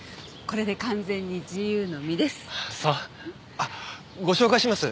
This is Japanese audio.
あっご紹介します。